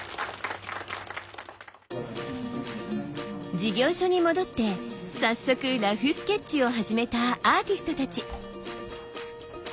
事業所に戻って早速ラフスケッチを始めたアーティストたち。